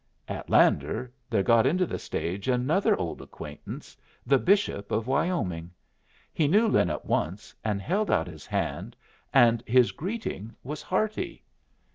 At Lander, there got into the stage another old acquaintance, the Bishop of Wyoming. He knew Lin at once, and held out his hand, and his greeting was hearty.